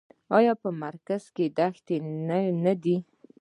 آیا په مرکز کې دښتې نه دي؟